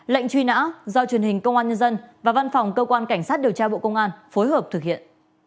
lệnh truy nã do truyền hình công an nhân dân và văn phòng cơ quan cảnh sát điều tra bộ công an phối hợp thực hiện